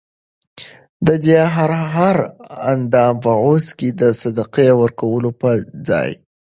ددي هر هر اندام په عوض کي د صدقې ورکولو په ځای